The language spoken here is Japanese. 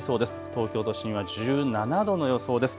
東京都心は１７度の予想です。